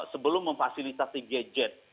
sebelum memfasilitasi gadget